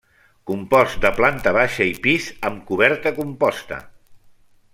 Compost de planat baixa i pis, amb coberta composta.